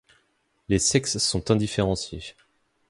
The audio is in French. Les sexes sont indifférenciés.